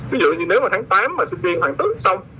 ví dụ như nếu mà tháng tám mà sinh viên hoàn tất xong